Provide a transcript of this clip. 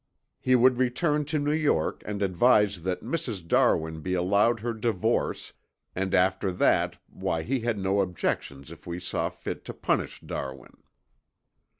He would return to New York and advise that Mrs. Darwin be allowed her divorce and after that why he had no objections if we saw fit to punish Darwin.